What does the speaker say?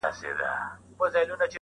• زما پر زړه لګي سیده او که کاږه وي,